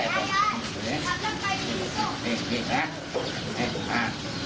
นี่ผ้า